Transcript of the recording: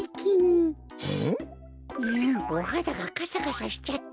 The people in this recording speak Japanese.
おはだがカサカサしちゃって。